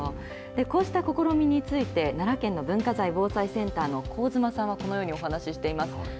こうした試みについて、奈良県の文化財防災センターの高妻さんはこのように話をしています。